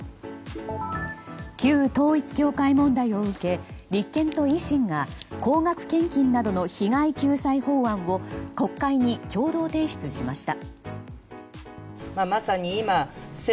旧統一教会問題を受け立憲と維新が高額献金などの被害救済法案を国会に、共同提出しました。